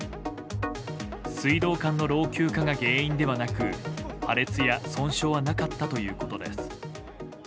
水道管の老朽化が原因ではなく破裂や損傷はなかったということです。